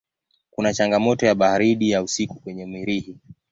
Kuna changamoto ya baridi ya usiku kwenye Mirihi.